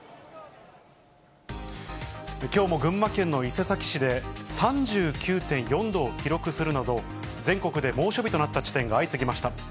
きょうも群馬県の伊勢崎市で３９．４度を記録するなど、全国で猛暑日となった地点が相次ぎました。